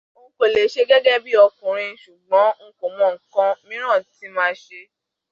Nkò lè ṣe gẹ́gẹ́ bí ọkùnrin, ṣùgbọ́n nkò mọ nǹkan mìiràn tí màá ṣe